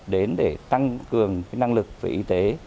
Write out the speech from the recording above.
đến để tăng cường năng lực về y tế